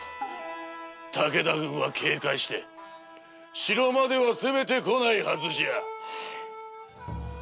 武田軍は警戒して城までは攻めてこないはずじゃ。